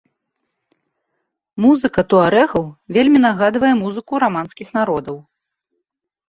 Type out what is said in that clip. Музыка туарэгаў вельмі нагадвае музыку раманскіх народаў.